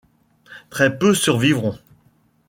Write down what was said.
Très peu survivront.